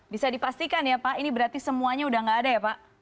bisa dipastikan ya pak ini berarti semuanya udah nggak ada ya pak